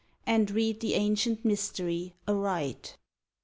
And read the ancient Mystery aright.